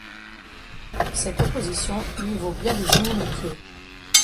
Cette opposition lui vaut bien des inimitiés.